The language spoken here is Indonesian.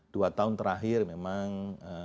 dua tahun terakhir memang